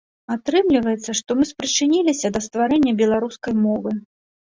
Атрымліваецца, што мы спрычыніліся да стварэння беларускай мовы.